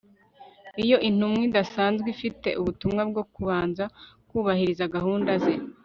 iyo intumwa idasanzwe ifite ubutumwa bwo kubanza kubahiriza gahunda ze